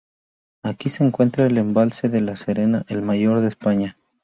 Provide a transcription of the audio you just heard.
Aquí se encuentra el Embalse de La Serena, el mayor de España.